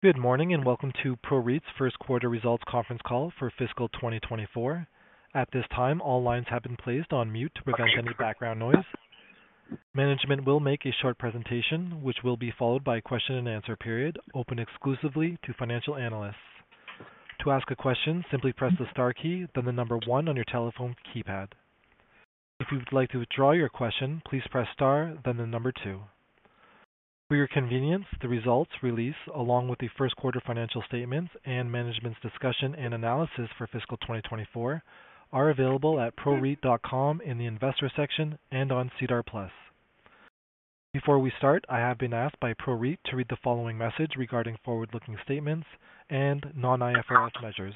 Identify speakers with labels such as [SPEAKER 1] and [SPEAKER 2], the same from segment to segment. [SPEAKER 1] Good morning, and welcome to PROREIT's First Quarter Results Conference Call for Fiscal 2024. At this time, all lines have been placed on mute to prevent any background noise. Management will make a short presentation, which will be followed by a question-and-answer period, open exclusively to financial analysts. To ask a question, simply press the star key, then the number one on your telephone keypad. If you would like to withdraw your question, please press star, then the number two. For your convenience, the results release, along with the first quarter financial statements and management's discussion and analysis for fiscal 2024, are available at PROREIT.com in the Investor section and on SEDAR+. Before we start, I have been asked by PROREIT to read the following message regarding forward-looking statements and non-IFRS measures.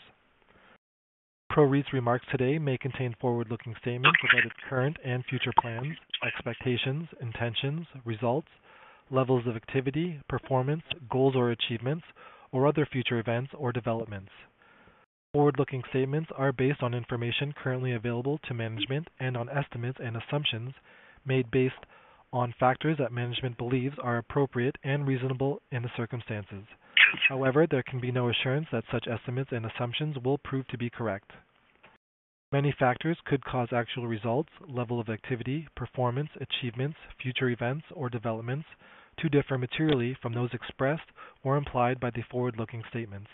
[SPEAKER 1] PROREIT's remarks today may contain forward-looking statements about its current and future plans, expectations, intentions, results, levels of activity, performance, goals or achievements, or other future events or developments. Forward-looking statements are based on information currently available to management and on estimates and assumptions made based on factors that management believes are appropriate and reasonable in the circumstances. However, there can be no assurance that such estimates and assumptions will prove to be correct. Many factors could cause actual results, level of activity, performance, achievements, future events, or developments to differ materially from those expressed or implied by the forward-looking statements.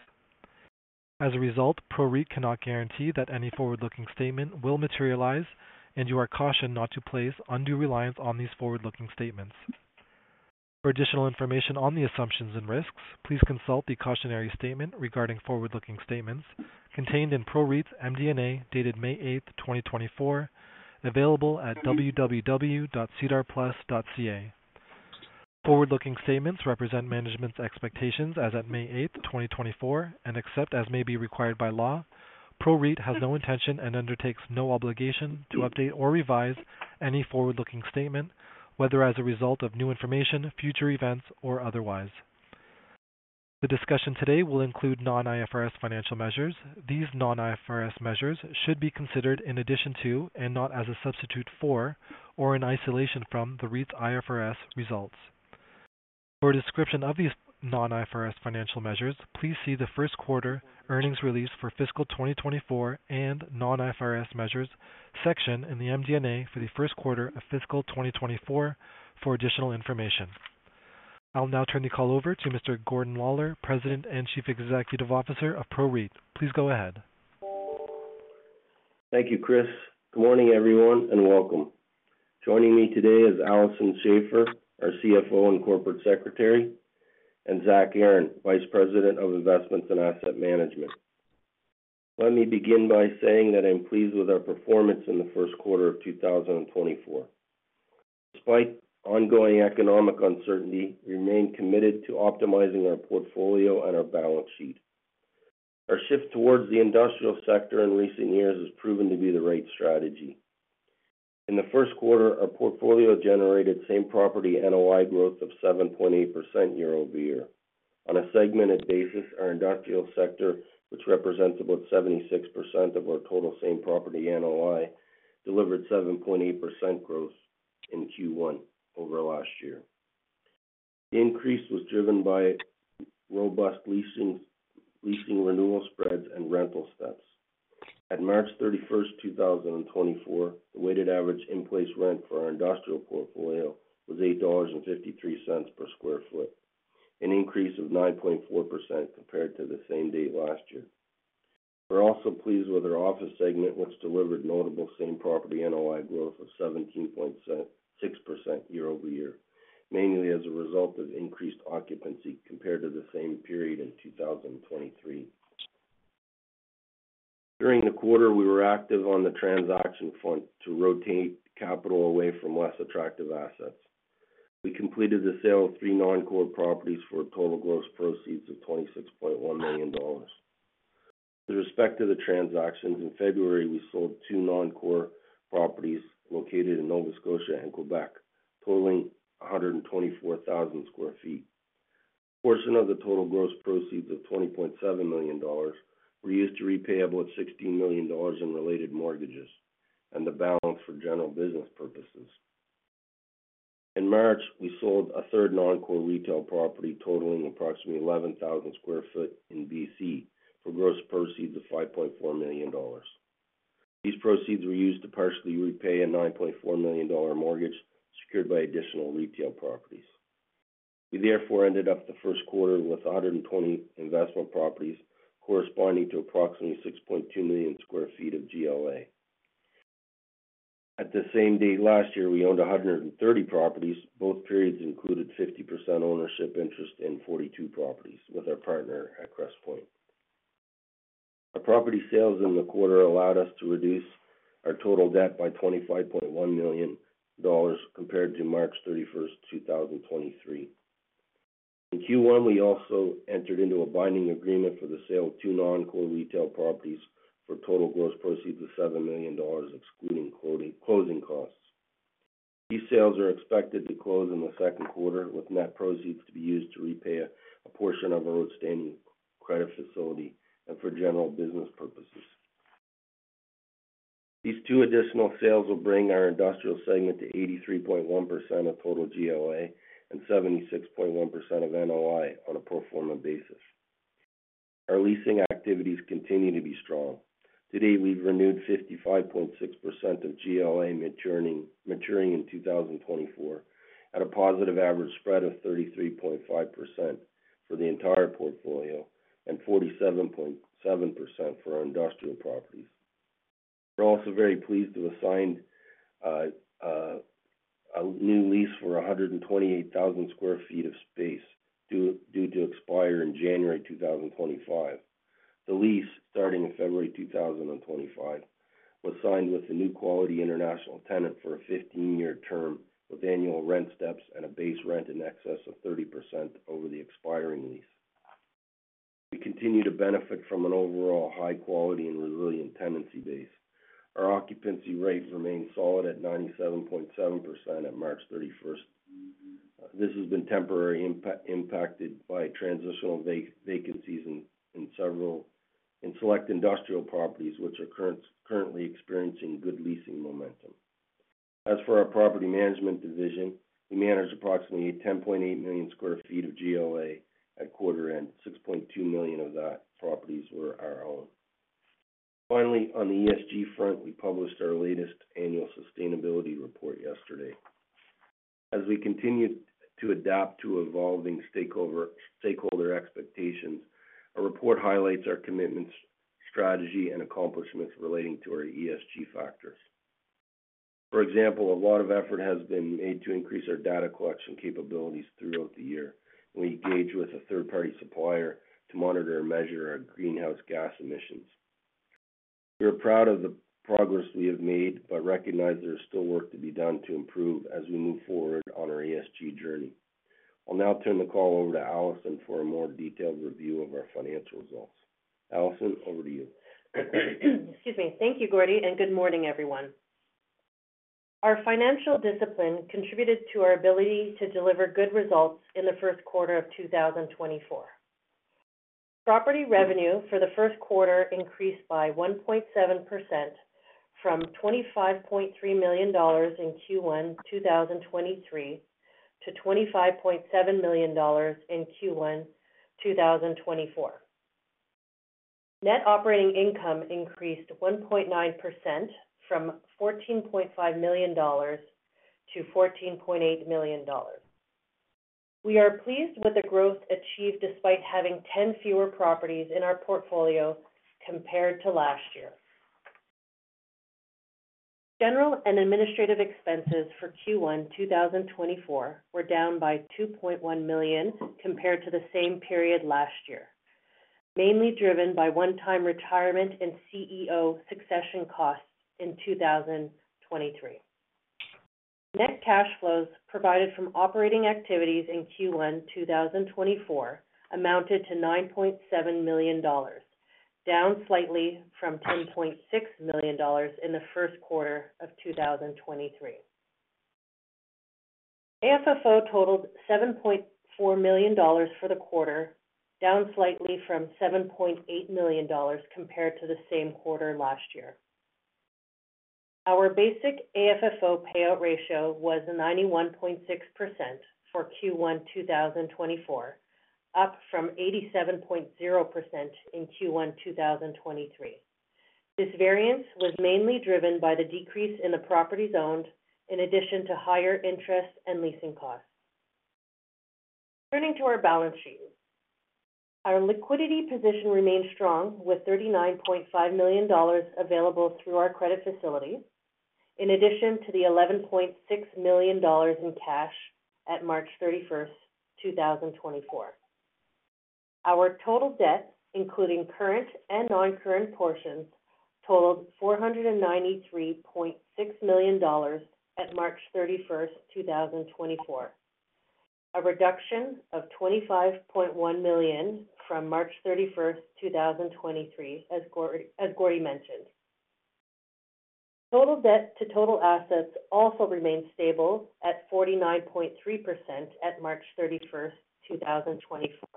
[SPEAKER 1] As a result, PROREIT cannot guarantee that any forward-looking statement will materialize, and you are cautioned not to place undue reliance on these forward-looking statements. For additional information on the assumptions and risks, please consult the cautionary statement regarding forward-looking statements contained in PROREIT's MD&A, dated May 8, 2024, available at www.sedarplus.ca. Forward-looking statements represent management's expectations as at May 8, 2024, and except as may be required by law, PROREIT has no intention and undertakes no obligation to update or revise any forward-looking statement, whether as a result of new information, future events, or otherwise. The discussion today will include non-IFRS financial measures. These non-IFRS measures should be considered in addition to, and not as a substitute for, or in isolation from, the REIT's IFRS results. For a description of these non-IFRS financial measures, please see the first quarter earnings release for fiscal 2024 and non-IFRS measures section in the MD&A for the first quarter of fiscal 2024 for additional information. I'll now turn the call over to Mr. Gordon Lawlor, President and Chief Executive Officer of PROREIT. Please go ahead.
[SPEAKER 2] Thank you, Chris. Good morning, everyone, and welcome. Joining me today is Alison Schafer, our CFO and Corporate Secretary, and Zachary Aaron, Vice President of Investments and Asset Management. Let me begin by saying that I'm pleased with our performance in the first quarter of 2024. Despite ongoing economic uncertainty, we remain committed to optimizing our portfolio and our balance sheet. Our shift towards the industrial sector in recent years has proven to be the right strategy. In the first quarter, our portfolio generated same-property NOI growth of 7.8% year-over-year. On a segmented basis, our industrial sector, which represents about 76% of our total same-property NOI, delivered 7.8% growth in Q1 over last year. The increase was driven by robust leasing, leasing renewal spreads and rental steps. At March 31, 2024, the weighted average in-place rent for our industrial portfolio was 8.53 dollars per sq ft, an increase of 9.4% compared to the same date last year. We're also pleased with our office segment, which delivered notable same-property NOI growth of 17.6% year-over-year, mainly as a result of increased occupancy compared to the same period in 2023. During the quarter, we were active on the transaction front to rotate capital away from less attractive assets. We completed the sale of three non-core properties for a total gross proceeds of 26.1 million dollars. With respect to the transactions, in February, we sold two non-core properties located in Nova Scotia and Quebec, totaling 124,000 sq ft. A portion of the total gross proceeds of 20.7 million dollars were used to repay about 16 million dollars in related mortgages and the balance for general business purposes. In March, we sold a third non-core retail property totaling approximately 11,000 sq ft in BC for gross proceeds of 5.4 million dollars. These proceeds were used to partially repay a 9.4 million dollar mortgage secured by additional retail properties. We therefore ended up the first quarter with 120 investment properties, corresponding to approximately 6.2 million sq ft of GLA. At the same date last year, we owned 130 properties. Both periods included 50% ownership interest in 42 properties with our partner at Crestpoint. Our property sales in the quarter allowed us to reduce our total debt by 25.1 million dollars compared to March 31, 2023. In Q1, we also entered into a binding agreement for the sale of two non-core retail properties for total gross proceeds of 7 million dollars, excluding closing, closing costs. These sales are expected to close in the second quarter, with net proceeds to be used to repay a portion of our outstanding credit facility and for general business purposes. These two additional sales will bring our industrial segment to 83.1% of total GLA and 76.1% of NOI on a pro forma basis. Our leasing activities continue to be strong. To date, we've renewed 55.6% of GLA maturing in 2024, at a positive average spread of 33.5% for the entire portfolio and 47.7% for our industrial properties. We're also very pleased to have signed a new lease for 128,000 sq ft of space, due to expire in January 2025. The lease, starting in February 2025, was signed with a new quality international tenant for a 15-year term, with annual rent steps and a base rent in excess of 30% over the expiring lease. We continue to benefit from an overall high quality and resilient tenancy base. Our occupancy rates remain solid at 97.7% at March 31. This has been temporarily impacted by transitional vacancies in several in select industrial properties, which are currently experiencing good leasing momentum. As for our property management division, we managed approximately 10.8 million sq ft of GLA at quarter end, 6.2 million of that properties were our own. Finally, on the ESG front, we published our latest annual sustainability report yesterday. As we continue to adapt to evolving stakeholder expectations, our report highlights our commitments, strategy, and accomplishments relating to our ESG factors. For example, a lot of effort has been made to increase our data collection capabilities throughout the year. We engage with a third-party supplier to monitor and measure our greenhouse gas emissions. We are proud of the progress we have made, but recognize there is still work to be done to improve as we move forward on our ESG journey. I'll now turn the call over to Alison for a more detailed review of our financial results. Alison, over to you.
[SPEAKER 3] Excuse me. Thank you, Gordy, and good morning, everyone. Our financial discipline contributed to our ability to deliver good results in the first quarter of 2024. Property revenue for the first quarter increased by 1.7% from 25.3 million dollars in Q1 2023 to 25.7 million dollars in Q1 2024. Net operating income increased 1.9% from 14.5 million dollars to 14.8 million dollars. We are pleased with the growth achieved despite having 10 fewer properties in our portfolio compared to last year. General and administrative expenses for Q1 2024 were down by 2.1 million compared to the same period last year, mainly driven by one-time retirement and CEO succession costs in 2023. Net cash flows provided from operating activities in Q1 2024 amounted to 9.7 million dollars, down slightly from 10.6 million dollars in the first quarter of 2023. AFFO totaled 7.4 million dollars for the quarter, down slightly from 7.8 million dollars compared to the same quarter last year. Our basic AFFO payout ratio was 91.6% for Q1 2024, up from 87.0% in Q1 2023. This variance was mainly driven by the decrease in the properties owned, in addition to higher interest and leasing costs. Turning to our balance sheet. Our liquidity position remains strong, with 39.5 million dollars available through our credit facility, in addition to 11.6 million dollars in cash at March 31, 2024. Our total debt, including current and non-current portions, totaled 493.6 million dollars at March 31st, 2024, a reduction of 25.1 million from March 31st, 2023, as Gordy mentioned. Total debt to total assets also remained stable at 49.3% at March 31st, 2024,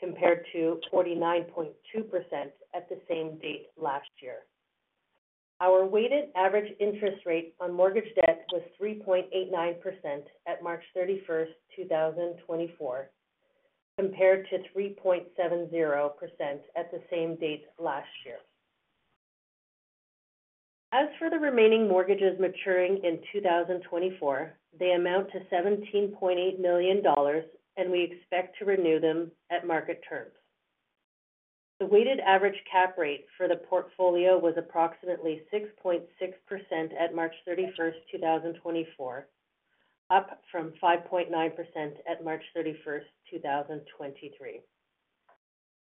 [SPEAKER 3] compared to 49.2% at the same date last year. Our weighted average interest rate on mortgage debt was 3.89% at March 31st, 2024, compared to 3.70% at the same date last year. As for the remaining mortgages maturing in 2024, they amount to 17.8 million dollars, and we expect to renew them at market terms. The weighted average cap rate for the portfolio was approximately 6.6% at March 31st, 2024, up from 5.9% at March 31st, 2023.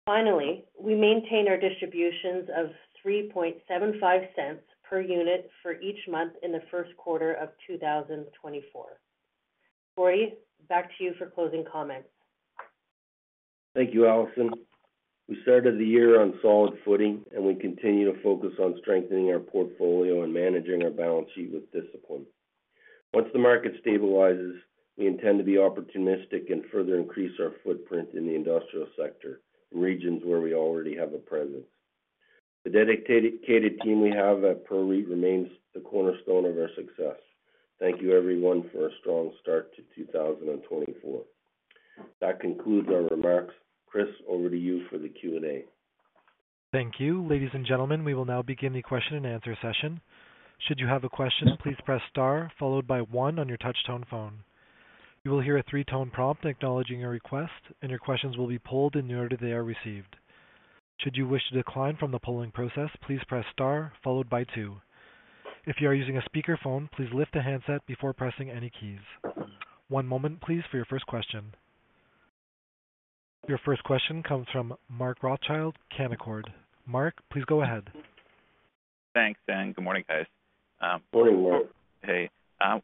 [SPEAKER 3] Finally, we maintain our distributions of 0.0375 per unit for each month in the first quarter of 2024. Gordy, back to you for closing comments.
[SPEAKER 2] Thank you, Alison. We started the year on solid footing, and we continue to focus on strengthening our portfolio and managing our balance sheet with discipline. Once the market stabilizes, we intend to be opportunistic and further increase our footprint in the industrial sector, in regions where we already have a presence. The dedicated, dedicated team we have at PROREIT remains the cornerstone of our success. Thank you, everyone, for a strong start to 2024. That concludes our remarks. Chris, over to you for the Q&A.
[SPEAKER 1] Thank you. Ladies and gentlemen, we will now begin the question and answer session. Should you have a question, please press star followed by one on your touchtone phone. You will hear a three-tone prompt acknowledging your request, and your questions will be polled in the order they are received. Should you wish to decline from the polling process, please press star followed by two. If you are using a speakerphone, please lift the handset before pressing any keys. One moment, please, for your first question. Your first question comes from Mark Rothschild, Canaccord. Mark, please go ahead.
[SPEAKER 4] Thanks, and good morning, guys.
[SPEAKER 2] Good morning, Mark.
[SPEAKER 4] Hey,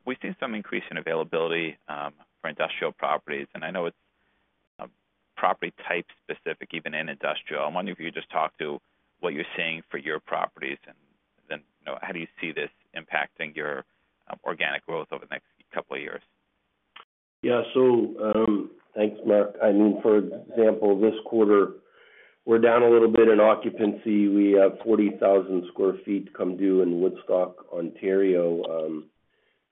[SPEAKER 4] we've seen some increase in availability, for industrial properties, and I know it's, property-type specific, even in industrial. I wonder if you could just talk to what you're seeing for your properties and then, you know, how do you see this impacting your, organic growth over the next couple of years?
[SPEAKER 2] Yeah. So, thanks, Mark. I mean, for example, this quarter, we're down a little bit in occupancy. We have 40,000 sq ft come due in Woodstock, Ontario,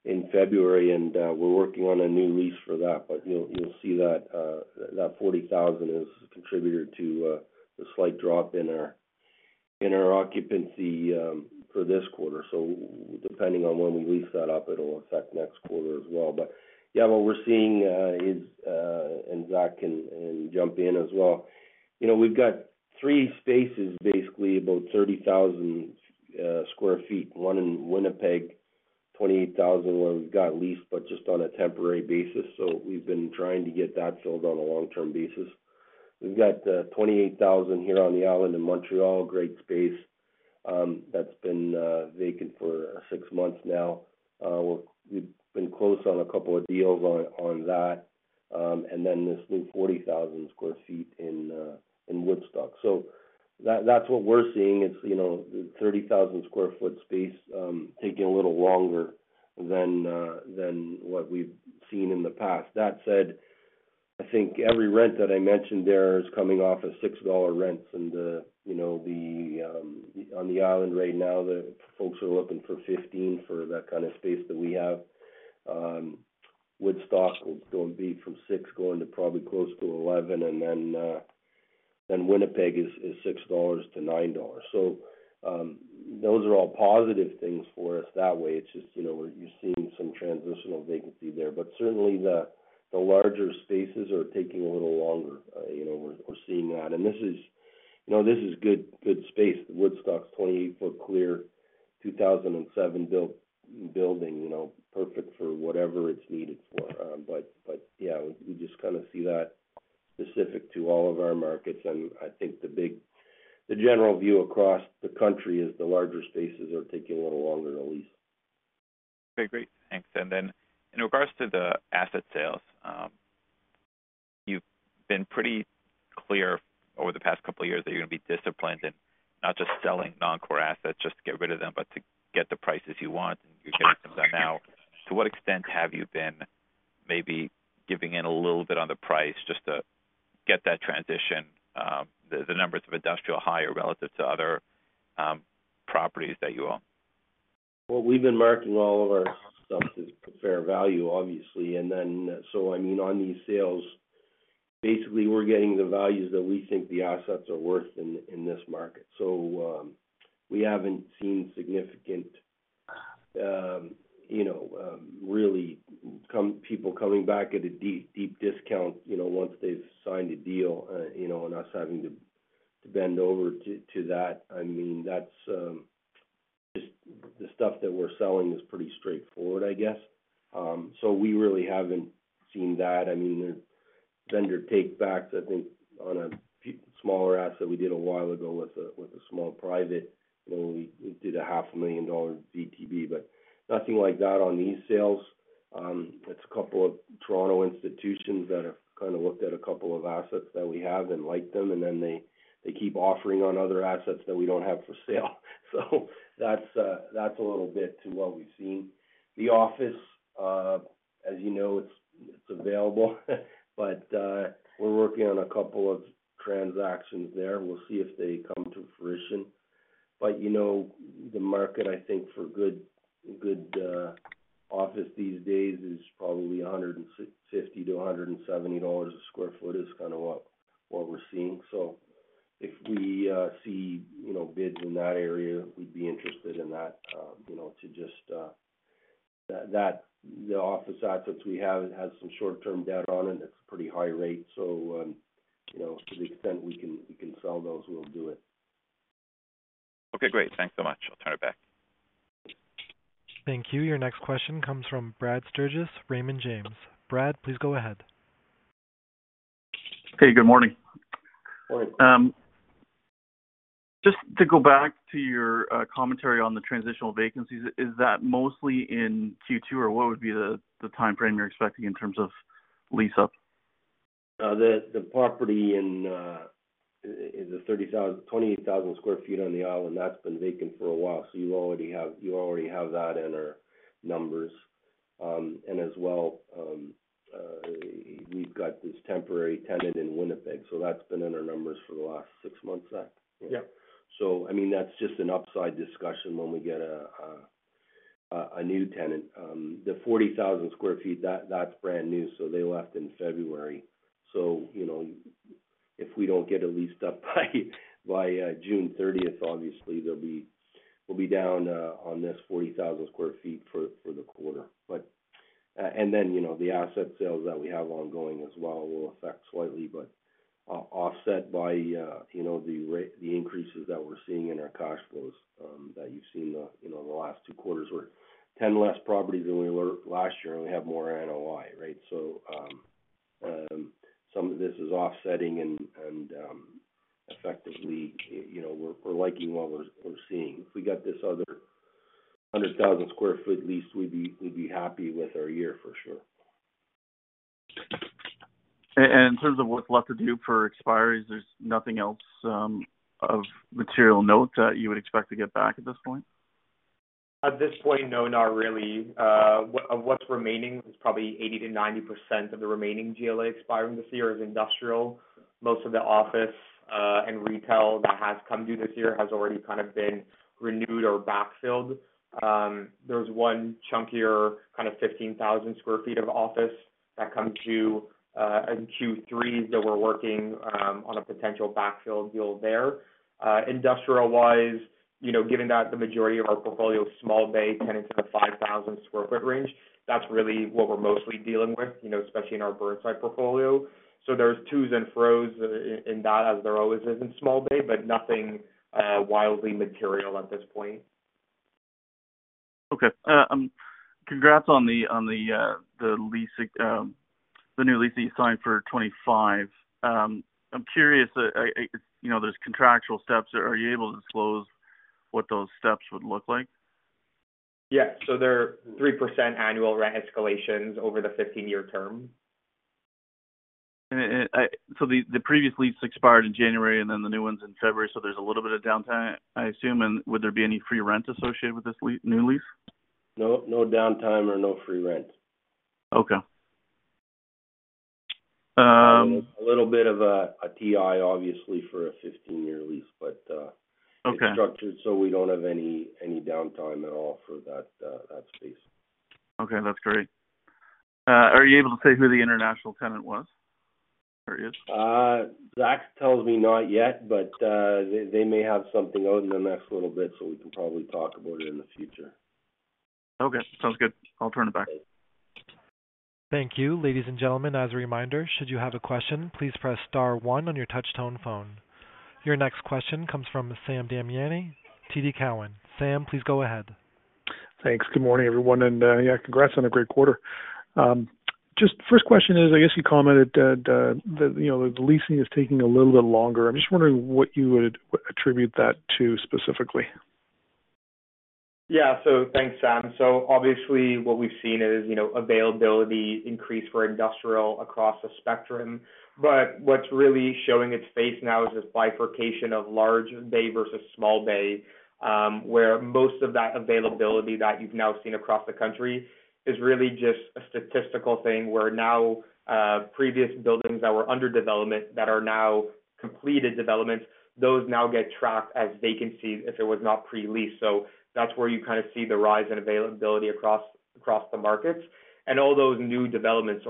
[SPEAKER 2] in February, and we're working on a new lease for that. But you'll see that 40,000 is a contributor to the slight drop in our occupancy for this quarter. So depending on when we lease that up, it'll affect next quarter as well. But yeah, what we're seeing is, and Zach can jump in as well. You know, we've got three spaces, basically, about 30,000 sq ft. One in Winnipeg, 28,000, where we've got leased, but just on a temporary basis, so we've been trying to get that filled on a long-term basis. We've got 28,000 here on the island in Montreal, great space, that's been vacant for 6 months now. We've been close on a couple of deals on that, and then this new 40,000 sq ft in Woodstock. So that's what we're seeing. It's you know 30,000 sq ft space taking a little longer than what we've seen in the past. That said, I think every rent that I mentioned there is coming off of 6 dollar rents, and you know on the island right now, the folks are looking for 15 for that kind of space that we have. Woodstock is going to be from 6, going to probably close to 11, and then Winnipeg is 6-9 dollars. So, those are all positive things for us that way. It's just, you know, you're seeing some transitional vacancy there. But certainly, the larger spaces are taking a little longer. You know, we're seeing that. And this is, you know, this is good, good space. Woodstock's 28-foot clear, 2007 built building, you know, perfect for whatever it's needed for. But, yeah, we just kind of see that specific to all of our markets, and I think the big, the general view across the country is the larger spaces are taking a little longer to lease.
[SPEAKER 4] Okay, great. Thanks. And then in regards to the asset sales, you've been pretty clear over the past couple of years that you're going to be disciplined and not just selling non-core assets just to get rid of them, but to get the prices you want, and you get them done now. To what extent have you been maybe giving in a little bit on the price just to get that transition? The numbers of industrial higher relative to other properties that you own.
[SPEAKER 2] Well, we've been marketing all of our stuff at fair value, obviously. And then, so I mean, on these sales, basically, we're getting the values that we think the assets are worth in, in this market. So, we haven't seen significant, you know, really, people coming back at a deep, deep discount, you know, once they've signed a deal, you know, and us having to, to bend over to, to that. I mean, that's just the stuff that we're selling is pretty straightforward, I guess. So we really haven't seen that. I mean, vendor takebacks, I think on a few smaller assets that we did a while ago with a, with a small private, you know, we, we did a 500,000 dollar VTB, but nothing like that on these sales. It's a couple of Toronto institutions that have kind of looked at a couple of assets that we have and liked them, and then they, they keep offering on other assets that we don't have for sale. So that's a little bit to what we've seen. The office, as you know, it's, it's available, but, we're working on a couple of transactions there. We'll see if they come to fruition. But, you know, the market, I think, for good, good, office these days is probably 150-170 dollars/sq ft, is kind of what, what we're seeing. So if we see, you know, bids in that area, we'd be interested in that, you know, to just that, that the office assets we have has some short-term debt on it. It's pretty high rate. So, you know, to the extent we can, we can sell those, we'll do it.
[SPEAKER 4] Okay, great. Thanks so much. I'll turn it back.
[SPEAKER 1] Thank you. Your next question comes from Brad Sturges, Raymond James. Brad, please go ahead.
[SPEAKER 5] Hey, good morning.
[SPEAKER 2] Good morning.
[SPEAKER 5] Just to go back to your commentary on the transitional vacancies, is that mostly in Q2, or what would be the timeframe you're expecting in terms of lease up?
[SPEAKER 2] The property in is a 28,000 sq ft on the island, and that's been vacant for a while. So you already have that in our numbers. And as well, we've got this temporary tenant in Winnipeg, so that's been in our numbers for the last six months, Zach?
[SPEAKER 5] Yep.
[SPEAKER 2] So I mean, that's just an upside discussion when we get a new tenant. The 40,000 sq ft, that's brand new, so they left in February. So, you know, if we don't get it leased up by June thirtieth, obviously we'll be down on this 40,000 sq ft for the quarter. But and then, you know, the asset sales that we have ongoing as well will affect slightly, but offset by you know, the increases that we're seeing in our cash flows, that you've seen the, you know, the last two quarters were 10 less properties than we were last year, and we have more NOI, right? So, some of this is offsetting and, effectively, you know, we're liking what we're seeing. If we got this other 100,000 sq ft lease, we'd be happy with our year for sure.
[SPEAKER 5] And in terms of what's left to do for expiries, there's nothing else of material note that you would expect to get back at this point?
[SPEAKER 6] At this point, no, not really. What of what's remaining is probably 80%-90% of the remaining GLA expiring this year is industrial. Most of the office, and retail that has come due this year has already kind of been renewed or backfilled. There's one chunkier, kind of 15,000 sq ft of office that come due, in Q3, that we're working, on a potential backfill deal there. Industrial-wise, you know, given that the majority of our portfolio is small bay tenants in the 5,000 sq ft range, that's really what we're mostly dealing with, you know, especially in our Burnside portfolio. So there's to's and fro's in that, as there always is in small bay, but nothing, wildly material at this point.
[SPEAKER 5] Okay. Congrats on the leasing, the new lease that you signed for 25. I'm curious, you know, there's contractual steps. Are you able to disclose what those steps would look like?
[SPEAKER 6] Yeah. There are 3% annual rent escalations over the 15-year term.
[SPEAKER 5] So the previous lease expired in January and then the new ones in February, so there's a little bit of downtime, I assume. And would there be any free rent associated with this new lease?
[SPEAKER 2] No, no downtime or no free rent.
[SPEAKER 5] Okay. Um
[SPEAKER 2] A little bit of a, a TI, obviously, for a 15-year lease, but,
[SPEAKER 5] Okay
[SPEAKER 2] structured, so we don't have any downtime at all for that space.
[SPEAKER 5] Okay, that's great. Are you able to say who the international tenant was, or is?
[SPEAKER 2] Zach tells me not yet, but they, they may have something out in the next little bit, so we can probably talk about it in the future.
[SPEAKER 5] Okay, sounds good. I'll turn it back.
[SPEAKER 1] Thank you. Ladies and gentlemen, as a reminder, should you have a question, please press star one on your touchtone phone. Your next question comes from Sam Damiani, TD Cowen. Sam, please go ahead.
[SPEAKER 7] Thanks. Good morning, everyone, and yeah, congrats on a great quarter. Just first question is, I guess you commented that, you know, the leasing is taking a little bit longer. I'm just wondering what you would attribute that to specifically.
[SPEAKER 6] Yeah. So thanks, Sam. So obviously, what we've seen is, you know, availability increase for industrial across the spectrum. But what's really showing its face now is this bifurcation of large bay versus small bay, where most of that availability that you've now seen across the country is really just a statistical thing, where now, previous buildings that were under development, that are now completed developments, those now get tracked as vacancies if it was not pre-leased. So that's where you kind of see the rise in availability across the markets. And all those new developments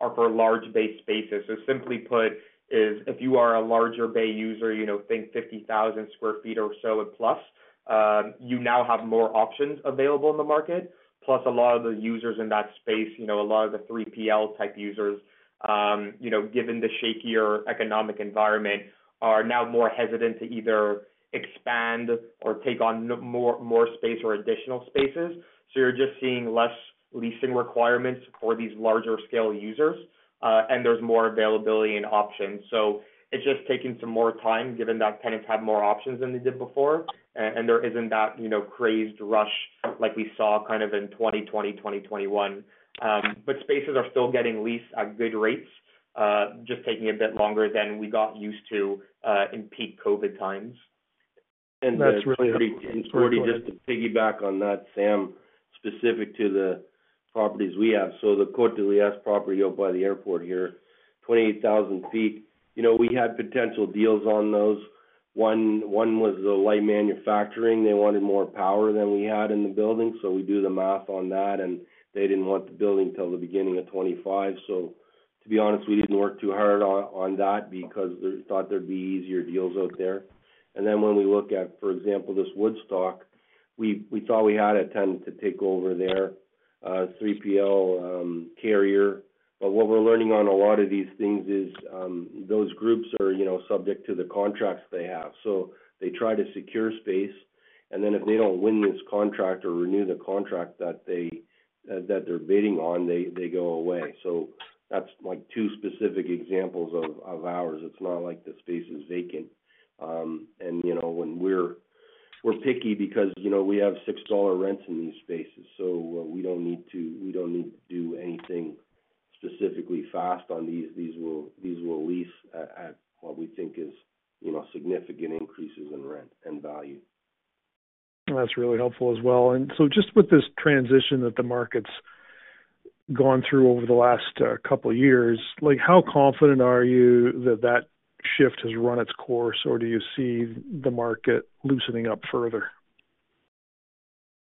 [SPEAKER 6] are 90%+ for large bay spaces. So simply put, if you are a larger bay user, you know, think 50,000 sq ft or so and plus, you now have more options available in the market. Plus, a lot of the users in that space, you know, a lot of the 3PL type users, you know, given the shakier economic environment, are now more hesitant to either expand or take on more space or additional spaces. So you're just seeing less leasing requirements for these larger scale users, and there's more availability and options. So it's just taking some more time, given that tenants have more options than they did before, and there isn't that, you know, crazed rush like we saw kind of in 2020, 2021. But spaces are still getting leased at good rates, just taking a bit longer than we got used to, in peak COVID times.
[SPEAKER 7] That's really
[SPEAKER 2] And just to piggyback on that, Sam, specific to the properties we have. So the Côte-de-Liesse property out by the airport here, 28,000 sq ft. You know, we had potential deals on those. One was the light manufacturing. They wanted more power than we had in the building, so we do the math on that, and they didn't want the building till the beginning of 2025. So to be honest, we didn't work too hard on that because we thought there'd be easier deals out there. And then when we look at, for example, this Woodstock, we thought we had a tenant to take over there, 3PL carrier. But what we're learning on a lot of these things is those groups are, you know, subject to the contracts they have. So they try to secure space, and then if they don't win this contract or renew the contract that they're bidding on, they go away. So that's, like, two specific examples of ours. It's not like the space is vacant. And, you know, when we're We're picky because, you know, we have 6 dollar rents in these spaces, so we don't need to, we don't need to do anything specifically fast on these. These will, these will lease at, at what we think is, you know, significant increases in rent and value.
[SPEAKER 7] That's really helpful as well. And so just with this transition that the market's gone through over the last couple of years, like, how confident are you that that shift has run its course, or do you see the market loosening up further?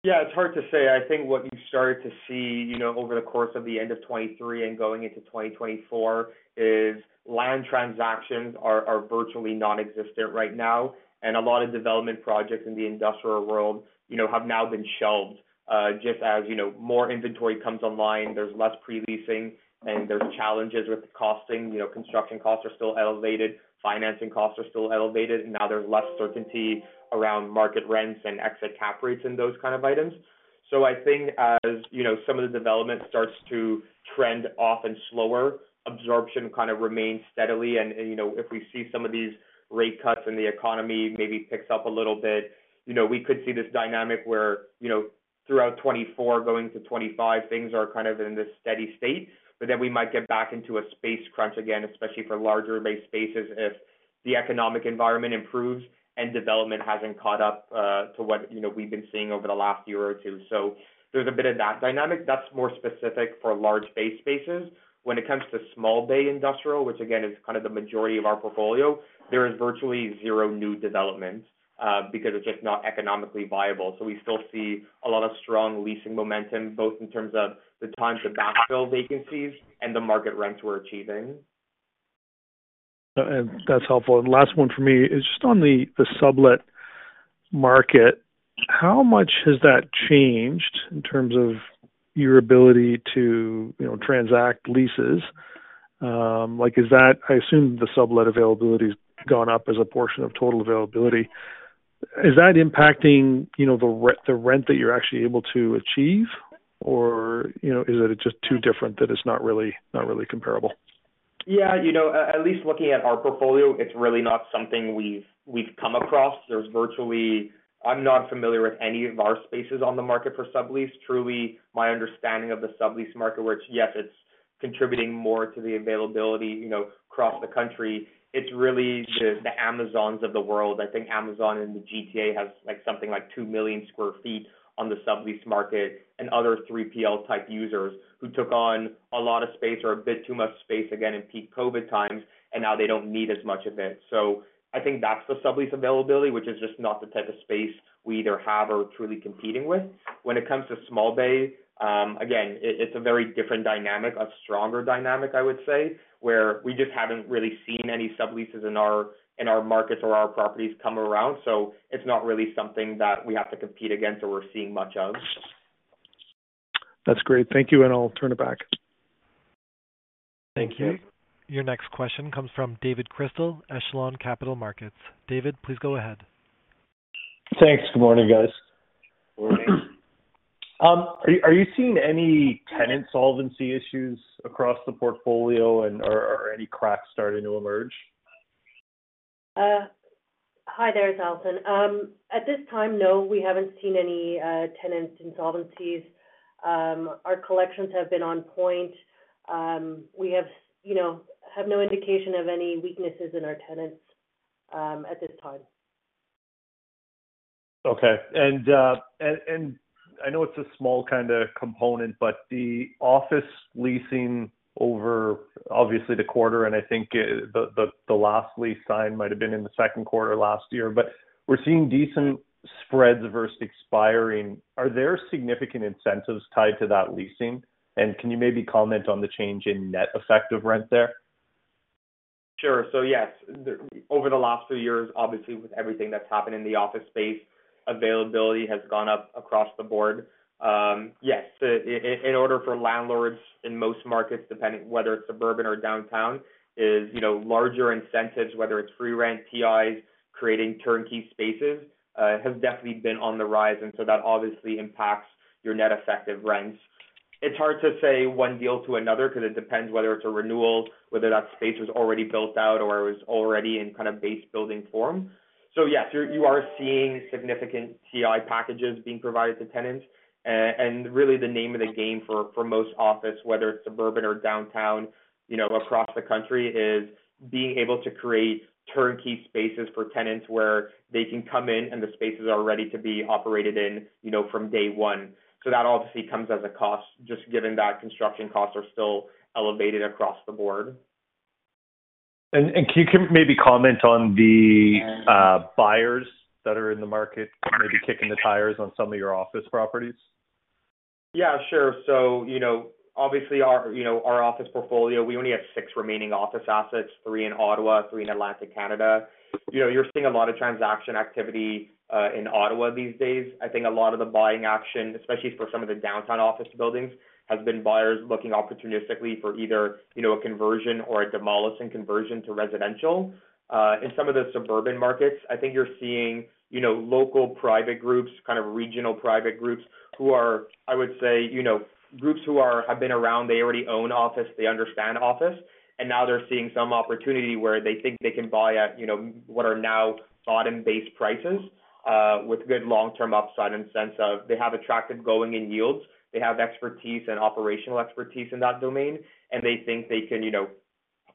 [SPEAKER 6] Yeah, it's hard to say. I think what you started to see, you know, over the course of the end of 2023 and going into 2024, is land transactions are, are virtually nonexistent right now, and a lot of development projects in the industrial world, you know, have now been shelved. Just as, you know, more inventory comes online, there's less pre-leasing, and there's challenges with costing. You know, construction costs are still elevated, financing costs are still elevated, and now there's less certainty around market rents and exit cap rates and those kind of items. So I think as, you know, some of the development starts to trend off and slower, absorption kind of remains steadily, and you know, if we see some of these rate cuts and the economy maybe picks up a little bit, you know, we could see this dynamic where, you know, throughout 2024 going to 2025, things are kind of in this steady state. But then we might get back into a space crunch again, especially for larger bay spaces, if the economic environment improves and development hasn't caught up to what, you know, we've been seeing over the last year or two. So there's a bit of that dynamic that's more specific for large bay spaces. When it comes to small bay industrial, which again, is kind of the majority of our portfolio, there is virtually zero new development because it's just not economically viable. We still see a lot of strong leasing momentum, both in terms of the times of backfill vacancies and the market rents we're achieving.
[SPEAKER 7] That's helpful. Last one for me is just on the sublet market. How much has that changed in terms of your ability to, you know, transact leases? Like, is that I assume the sublet availability has gone up as a portion of total availability. Is that impacting, you know, the rent that you're actually able to achieve? Or, you know, is it just too different that it's not really comparable?
[SPEAKER 6] Yeah, you know, at least looking at our portfolio, it's really not something we've come across. There's virtually. I'm not familiar with any of our spaces on the market for sublease. Truly, my understanding of the sublease market, where it's. Yes, it's contributing more to the availability, you know, across the country. It's really the Amazons of the world. I think Amazon in the GTA has, like, something like 2 million sq ft on the sublease market and other 3PL-type users who took on a lot of space or a bit too much space again in peak COVID times, and now they don't need as much of it. So I think that's the sublease availability, which is just not the type of space we either have or truly competing with. When it comes to small bay, again, it's a very different dynamic, a stronger dynamic, I would say, where we just haven't really seen any subleases in our, in our markets or our properties come around, so it's not really something that we have to compete against or we're seeing much of.
[SPEAKER 7] That's great. Thank you, and I'll turn it back.
[SPEAKER 1] Thank you. Your next question comes from David Chrystal, Echelon Capital Markets. David, please go ahead.
[SPEAKER 8] Thanks. Good morning, guys.
[SPEAKER 6] Morning.
[SPEAKER 8] Are you seeing any tenant solvency issues across the portfolio, and are any cracks starting to emerge?
[SPEAKER 3] Hi there, it's Alison. At this time, no, we haven't seen any tenant insolvencies. Our collections have been on point. We have, you know, no indication of any weaknesses in our tenants, at this time.
[SPEAKER 8] Okay. And I know it's a small kind of component, but the office leasing over obviously the quarter, and I think the last lease sign might have been in the second quarter last year, but we're seeing decent spreads versus expiring. Are there significant incentives tied to that leasing? And can you maybe comment on the change in net effective rent there?
[SPEAKER 6] Sure. So yes, over the last few years, obviously, with everything that's happened in the office space, availability has gone up across the board. Yes, in order for landlords in most markets, depending whether it's suburban or downtown, is, you know, larger incentives, whether it's free rent, TIs, creating turnkey spaces, has definitely been on the rise, and so that obviously impacts your net effective rents. It's hard to say one deal to another because it depends whether it's a renewal, whether that space was already built out or it was already in kind of base building form. So yes, you are seeing significant TI packages being provided to tenants. And really the name of the game for most office, whether it's suburban or downtown, you know, across the country, is being able to create turnkey spaces for tenants where they can come in and the spaces are ready to be operated in, you know, from day one. So that obviously comes as a cost, just given that construction costs are still elevated across the board.
[SPEAKER 8] Can you maybe comment on the buyers that are in the market, maybe kicking the tires on some of your office properties?
[SPEAKER 6] Yeah, sure. So, you know, obviously our, you know, our office portfolio, we only have six remaining office assets, three in Ottawa, three in Atlantic Canada. You know, you're seeing a lot of transaction activity in Ottawa these days. I think a lot of the buying action, especially for some of the downtown office buildings, has been buyers looking opportunistically for either, you know, a conversion or a demolish and conversion to residential. In some of the suburban markets, I think you're seeing, you know, local private groups, kind of regional private groups, who are, I would say, you know, groups who have been around, they already own office, they understand office, and now they're seeing some opportunity where they think they can buy at, you know, what are now bottom-based prices, with good long-term upside and sense of they have attractive going and yields. They have expertise and operational expertise in that domain, and they think they can, you know,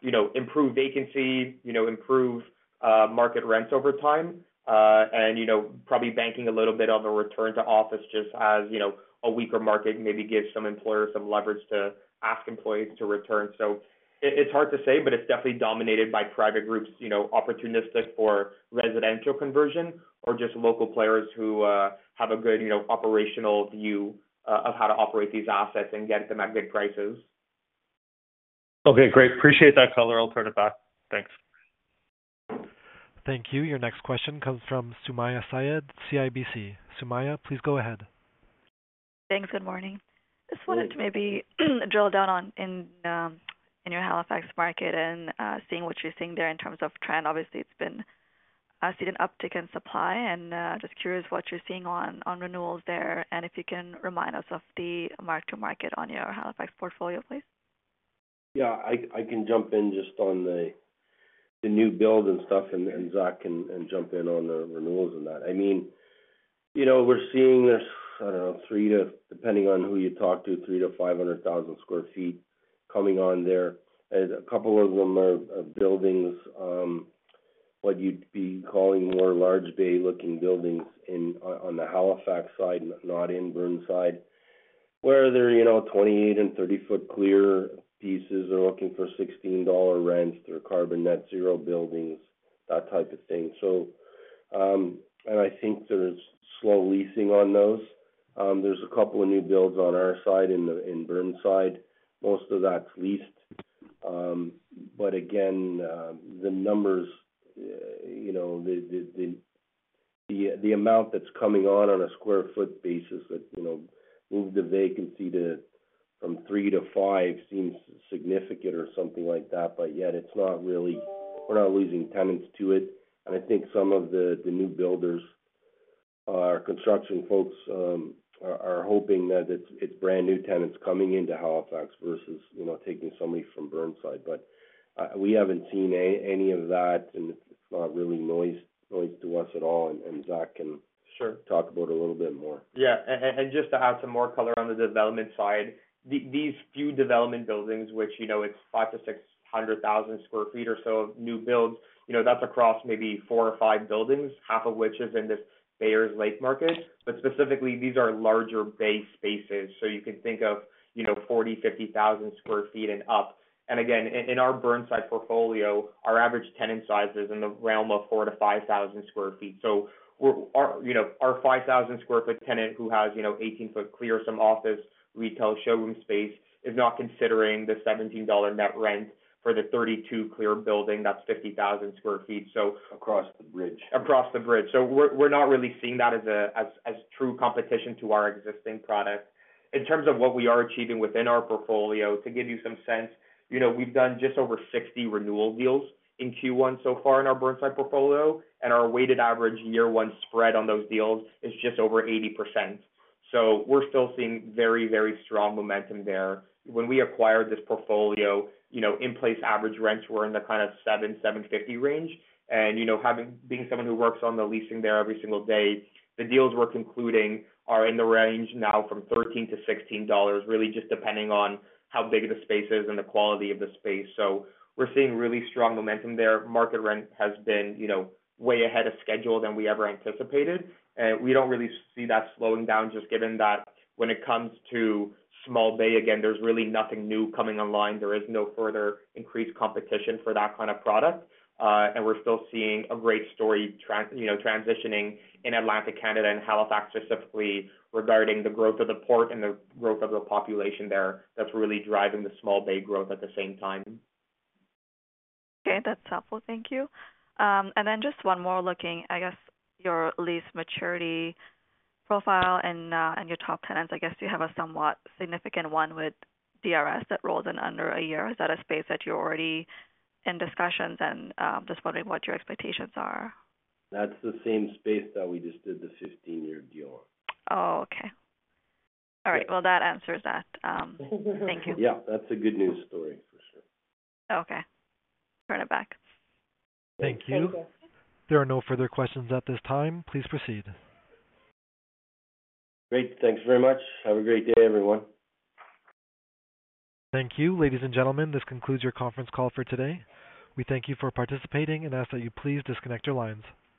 [SPEAKER 6] you know, improve vacancy, you know, improve market rents over time. And, you know, probably banking a little bit on the return to office, just as, you know, a weaker market maybe gives some employers some leverage to ask employees to return. So it's hard to say, but it's definitely dominated by private groups, you know, opportunistic for residential conversion or just local players who have a good, you know, operational view of how to operate these assets and get them at good prices.
[SPEAKER 8] Okay, great. Appreciate that color. I'll turn it back. Thanks.
[SPEAKER 1] Thank you. Your next question comes from Sumayya Syed, CIBC. Sumayya, please go ahead.
[SPEAKER 9] Thanks. Good morning. Just wanted to maybe drill down on in your Halifax market and seeing what you're seeing there in terms of trend. Obviously, it's been seen an uptick in supply, and just curious what you're seeing on renewals there, and if you can remind us of the mark-to-market on your Halifax portfolio, please.
[SPEAKER 2] Yeah, I can jump in just on the new build and stuff, and Zach can jump in on the renewals and that. I mean, you know, we're seeing this. I don't know, depending on who you talk to, 300,000-500,000 sq ft coming on there. And a couple of them are buildings, what you'd be calling more large bay-looking buildings in on the Halifax side, not in Burnside. Where they're, you know, 28- and 30-foot clears are looking for CAD 16 rents. They're carbon net zero buildings, that type of thing. So, and I think there's slow leasing on those. There's a couple of new builds on our side in Burnside. Most of that's leased. But again, the numbers, you know, the amount that's coming on, on a square foot basis that, you know, move the vacancy to, from three to five seems significant or something like that, but yet it's not really, We're not losing tenants to it. And I think some of the new builders, our construction folks, are hoping that it's brand new tenants coming into Halifax versus, you know, taking somebody from Burnside. But we haven't seen any of that, and it's not really noise to us at all. And Zach can
[SPEAKER 6] Sure.
[SPEAKER 2] talk about a little bit more.
[SPEAKER 6] Yeah. And just to add some more color on the development side, these few development buildings, which, you know, it's 500,000-600,000 sq ft or so of new builds, you know, that's across maybe four or five buildings, half of which is in this Bayers Lake market. But specifically, these are larger bay spaces, so you can think of, you know, 40,000, 50,000 sq ft and up. And again, in our Burnside portfolio, our average tenant size is in the realm of 4,000-5,000 sq ft. So we're, our, you know, our 5,000 sq ft tenant who has, you know, 18-foot clear, some office, retail, showroom space, is not considering the 17 dollar net rent for the 32 clear building, that's 50,000 sq ft so
[SPEAKER 2] Across the bridge.
[SPEAKER 6] Across the bridge. So we're not really seeing that as a true competition to our existing product. In terms of what we are achieving within our portfolio, to give you some sense, you know, we've done just over 60 renewal deals in Q1 so far in our Burnside portfolio, and our weighted average year one spread on those deals is just over 80%. So we're still seeing very, very strong momentum there. When we acquired this portfolio, you know, in-place average rents were in the kind of 7-7.50 range. And, you know, being someone who works on the leasing there every single day, the deals we're concluding are in the range now from 13-16 dollars, really just depending on how big the space is and the quality of the space. So we're seeing really strong momentum there. Market rent has been, you know, way ahead of schedule than we ever anticipated. We don't really see that slowing down, just given that when it comes to small bay, again, there's really nothing new coming online. There is no further increased competition for that kind of product. And we're still seeing a great story, you know, transitioning in Atlantic Canada and Halifax specifically, regarding the growth of the port and the growth of the population there. That's really driving the small bay growth at the same time.
[SPEAKER 9] Okay, that's helpful. Thank you. And then just one more looking, I guess, your lease maturity profile and, and your top tenants. I guess you have a somewhat significant one with DRS that rolls in under a year. Is that a space that you're already in discussions? And, just wondering what your expectations are.
[SPEAKER 2] That's the same space that we just did the 15-year deal on.
[SPEAKER 9] Oh, okay. All right.
[SPEAKER 2] Yeah. Well, that answers that, thank you. Yeah, that's a good news story, for sure.
[SPEAKER 9] Okay. Turn it back.
[SPEAKER 1] Thank you. There are no further questions at this time. Please proceed.
[SPEAKER 2] Great. Thank you very much. Have a great day, everyone.
[SPEAKER 1] Thank you. Ladies and gentlemen, this concludes your conference call for today. We thank you for participating and ask that you please disconnect your lines.